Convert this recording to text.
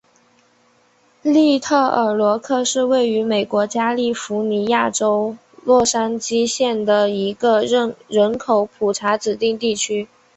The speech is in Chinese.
利特尔罗克是位于美国加利福尼亚州洛杉矶县的一个人口普查指定地区。